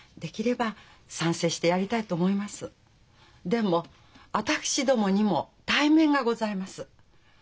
でも私どもにも体面がございます。